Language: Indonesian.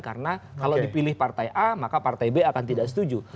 karena kalau dipilih partai a maka partai b akan tidak setuju